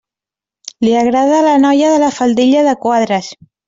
Li agrada la noia de la faldilla de quadres.